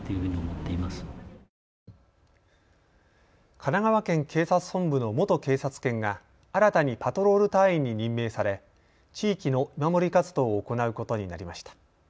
神奈川県警察本部の元警察犬が新たにパトロール隊員に任命され地域の見守り活動を行うことになりました。